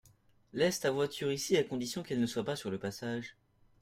Laisse ta voiture ici à condition qu’elle ne soit pas sur le passage.